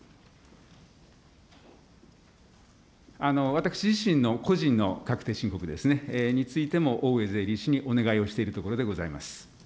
私自身の個人の確定申告ですね、についても大上税理士にお願いをしているところでございます。